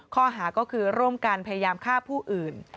ข้อหาก็คือร่วมกันพยายามฆ่าผู้อื่น